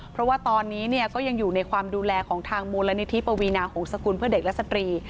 เพราะว่าตอนนี้เนี่ยก็ยังอยู่ในความดูแลของทางมูลนิธิปวีนาหงษกุลเพื่อเด็กและสตรี